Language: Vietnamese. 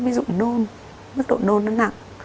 ví dụ nôn mức độ nôn nó nặng